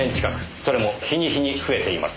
それも日に日に増えています。